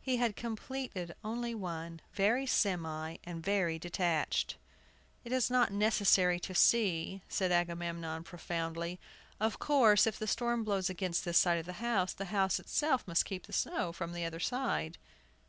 He had completed only one, very semi and very detached. "It is not necessary to see," said Agamemnon, profoundly; "of course, if the storm blows against this side of the house, the house itself must keep the snow from the other side."